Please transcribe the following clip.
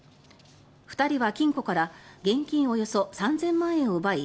２人は金庫から現金およそ３０００万円を奪い